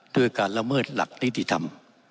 ด้วยการละเมิดหลักนิติธรรม